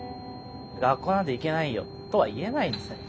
「学校なんて行けないよ」とは言えないんですね。